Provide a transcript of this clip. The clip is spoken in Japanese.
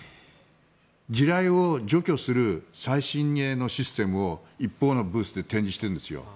地雷を除去する最新鋭のシステムを一方のブースで展示してるんです。